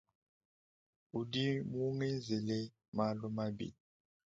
Udi mungenzela malumabi.